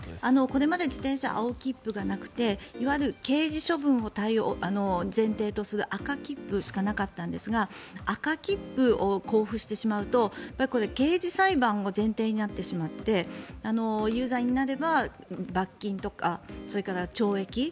これまで自転車は青切符がなくていわゆる刑事処分を前提とする赤切符しかなかったんですが赤切符を交付してしまうと刑事裁判が前提になってしまって有罪になれば罰金とかそれから懲役。